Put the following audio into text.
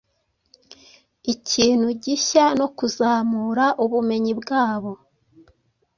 ikintu gihya no kuzamura ubumenyi bwabo